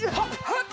はっ！